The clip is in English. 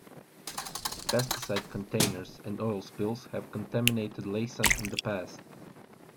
Pesticide containers and oil spills have contaminated Laysan in the past.